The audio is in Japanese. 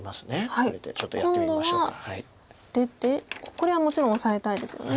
これはもちろんオサえたいですよね。